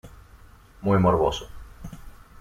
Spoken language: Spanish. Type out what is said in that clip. Muy morboso.